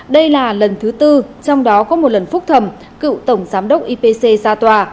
đây là lần thứ tư trong đó có một lần phúc thẩm cựu tổng giám đốc ipc ra tòa